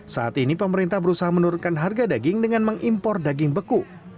saat ini pemerintah berusaha menurunkan harga daging dengan mengimpor daging beku